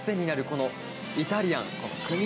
このイタリアン、組み